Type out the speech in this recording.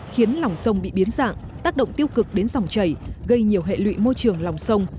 khiến lòng sông bị biến dạng tác động tiêu cực đến dòng chảy gây nhiều hệ lụy môi trường lòng sông